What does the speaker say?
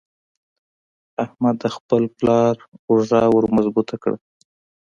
احمد د خپل پلار اوږه ور مضبوطه کړه.